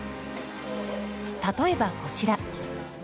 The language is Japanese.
例えばこちら。